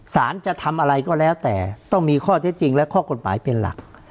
จะทำอะไรก็แล้วแต่ต้องมีข้อเท็จจริงและข้อกฎหมายเป็นหลัก